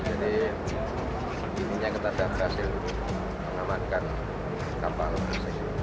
jadi ini kita sudah berhasil mengamankan kapal runzeng ini